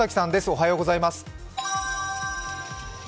おはようございます。